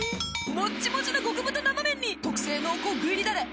もちもちの極太生麺に特製濃厚具入りだれ！